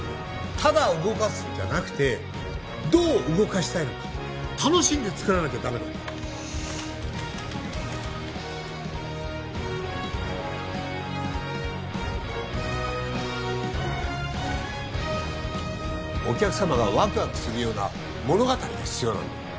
ただ動かすんじゃなくてどう動かしたいのか楽しんで作らなきゃダメだよしっお客様がワクワクするような物語が必要なんだ